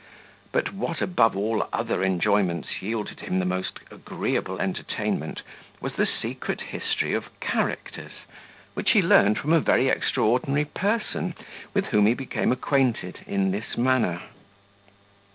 But, what above all other enjoyments yielded him the most agreeable entertainment, was the secret history of characters, which he learned from a very extraordinary person, with whom he became acquainted in this manner.